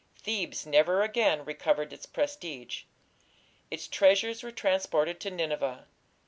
Thebes never again recovered its prestige. Its treasures were transported to Nineveh.